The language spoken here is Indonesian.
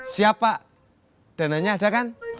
siap pak dananya ada kan